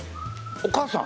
お母さん？